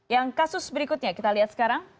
yang kasus berikutnya kita lihat sekarang